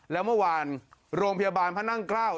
แล้วเมื่อวานโรงพยาบาลพระนั่งเกล้า